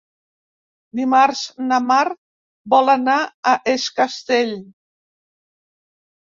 Dimarts na Mar vol anar a Es Castell.